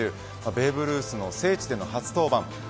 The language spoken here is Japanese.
ベーブ・ルースの聖地での登板。